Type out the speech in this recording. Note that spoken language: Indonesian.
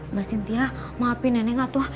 mbak cynthia maafin nenek gak tuh